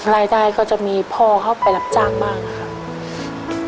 รายได้ก็จะมีพ่อเข้าไปรับจ้างบ้างนะครับ